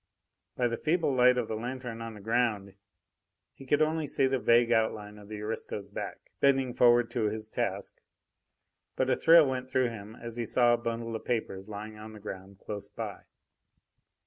By the feeble light of the lanthorn on the ground he could only see the vague outline of the aristo's back, bending forward to his task; but a thrill went through him as he saw a bundle of papers lying on the ground close by.